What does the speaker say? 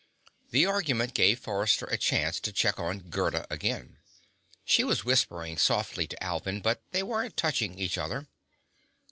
The argument gave Forrester a chance to check on Gerda again. She was whispering softly to Alvin, but they weren't touching each other.